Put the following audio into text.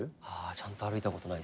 ちゃんと歩いたことないっすね。